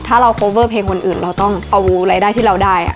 ถ้าเราโคเวอร์เพลงคนอื่นเราต้องเอารายได้ที่เราได้